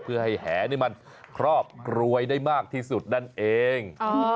เพื่อให้แหนี่มันครอบกรวยได้มากที่สุดนั่นเอง